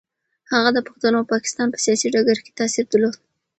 هغه د پښتنو او پاکستان په سیاسي ډګر کې تاثیر درلود.